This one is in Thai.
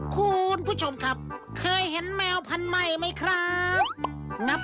คุณผู้ชมครับเคยเห็นแมวพันธุ์ใหม่ไหมครับ